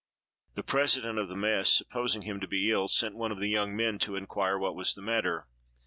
The president of the mess, supposing him to be ill, sent one of the young men to inquire what was the matter.